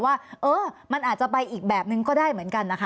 ว่าเออมันอาจจะไปอีกแบบนึงก็ได้เหมือนกันนะคะ